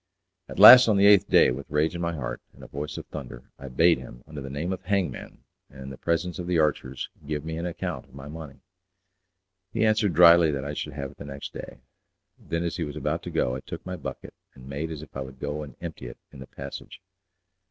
At last on the eighth day, with rage in my heart and in a voice of thunder, I bade him, under the name of "hangman," and in the presence of the archers, give me an account of my money. He answered drily that I should have it the next day. Then as he was about to go I took my bucket, and made as if I would go and empty it in the passage.